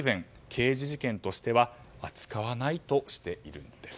刑事事件としては扱わないとしているんです。